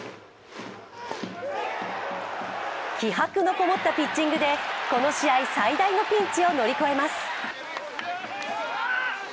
気迫のこもったピッチングでこの試合、最大のピンチを乗り越えます。